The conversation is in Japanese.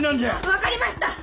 分かりました！